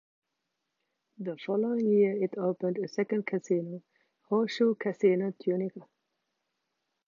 The following year it opened a second casino Horseshoe Casino Tunica.